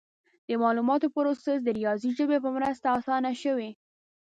د معلوماتو پروسس د ریاضي ژبې په مرسته اسانه شوی.